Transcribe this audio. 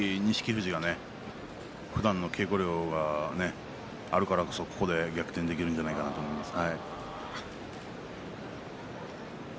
富士がふだんの稽古量があるからこそここで逆転できるんじゃないかなと思います。